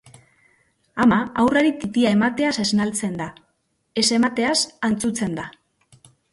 Ama haurrari titia emateaz esnaltzen da; ez emateaz antzutzen da.